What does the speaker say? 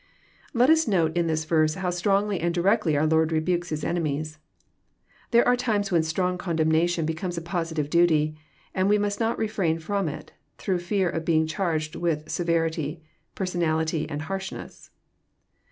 Let us note. In this verse, how strongly and directly our Lord rebukes His enemies. There are times when strong condemna tion becomes a positive duty, and we must not refrain from it through fear of being charged with severity, personality, and harshness.